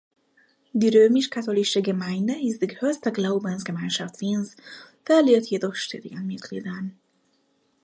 Die römisch-katholische Gemeinde ist die größte Glaubensgemeinschaft Wiens, verliert jedoch stetig an Mitgliedern.